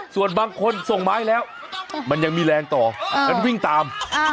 ส่วนบางคนส่งไม้แล้วมันยังมีแรงต่องั้นวิ่งตาม